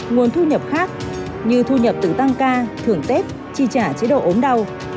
nguồn thu nhập khác như thu nhập tự tăng ca thưởng tếp chi trả chế độ ốm đau